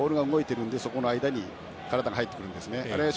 ボールが動いているのでそこの間に体が入ってくるんですね。